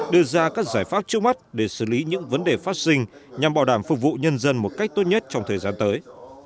đưa ra các giải pháp trước mắt để xử lý những vấn đề phát sinh nhằm bảo đảm phục vụ nhân dân một cách tốt nhất trong thời gian tới